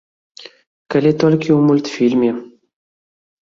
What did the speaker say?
Калі толькі ў мультфільме.